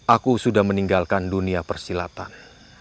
aku sudah meninggalkan dunia persilatan